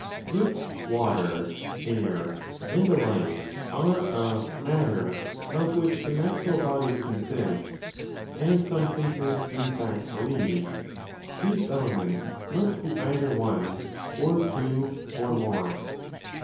5 332° If Water, Air, and the like are a 'matter' of which the 5 natural bodies consist, as some thinkers in fact believe, these 'elements' must be either one, or two, or more.